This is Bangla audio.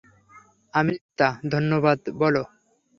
আমৃতা, ধন্যবাদ বল।